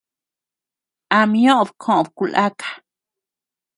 Am ñoʼod kod ku laka.